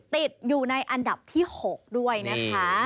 ติดอยู่ในอันดับที่๖ด้วยนะคะ